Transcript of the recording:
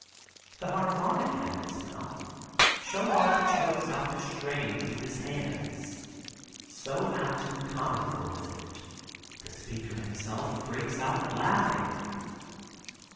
The harmonica in its mouth, Show Off chokes out the strains with his hands. So apt and comical is it, the speaker himself breaks out laughing.